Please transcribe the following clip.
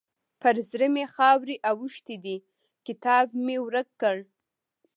پر زړه مې خاورې اوښتې دي؛ کتاب مې ورک کړ.